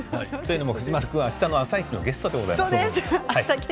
藤丸君はあしたの「あさイチ」のゲストです。